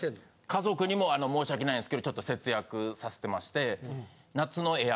家族にも申し訳ないんですけどちょっと節約させてまして。